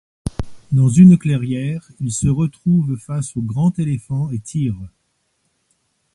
Dans une clairière, il se retrouve face au grand éléphant et tire.